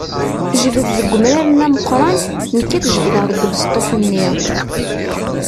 Jbed deg umrar-nni ameqqran, nekk ad jebdeɣ deg ubesṭuḥ-nni.